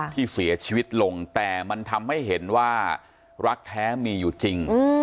ที่เสียชีวิตลงแต่มันทำให้เห็นว่ารักแท้มีอยู่จริง